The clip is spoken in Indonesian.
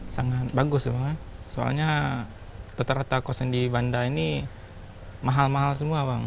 sangat bagus soalnya teterata kos yang di bandar ini mahal mahal semua